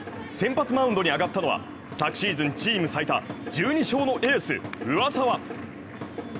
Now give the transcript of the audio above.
先発マウンドに上がったのは昨シーズン、チーム最多１２勝のエース上沢。